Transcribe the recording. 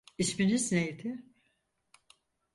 İsminiz neydi?